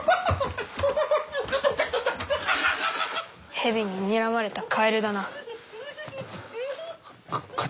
ヘビににらまれたカエルだな。か刀。